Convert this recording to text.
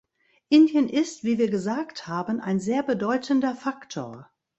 Indien ist, wie wir gesagt haben, ein sehr bedeutender Faktor.